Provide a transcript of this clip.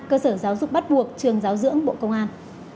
cơ sở giáo dục bắt buộc trường giáo dưỡng bộ công an